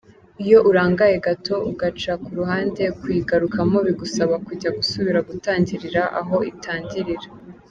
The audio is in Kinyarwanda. Iyo urangaye gato ugaca ku ruhande, kuyigarukamo bigusaba kujya gusubira gutangirira aho itangirira.